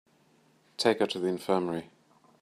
Take her to the infirmary.